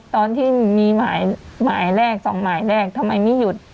ตอนที่มีหมายแรกสองหมายแรกทำไมไม่หยุด